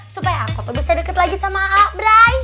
supaya aku tuh bisa deket lagi sama aabray